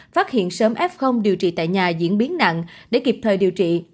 phát hiện sớm f điều trị tại nhà diễn biến nặng để kịp thời điều trị